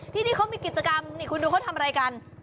ที่นี่เขามีกิจกรรมนี่คุณดูเขาทำอะไรกัน